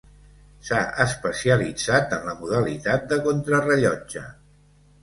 S'ha especialitzat en la modalitat de contrarellotge.